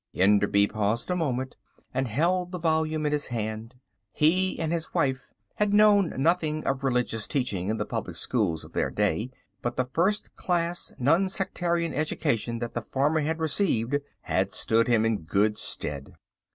Enderby paused a moment and held the volume in his hand. He and his wife had known nothing of religious teaching in the public schools of their day, but the first class non sectarian education that the farmer had received had stood him in good stead.